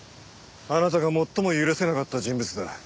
あなたが最も許せなかった人物だ。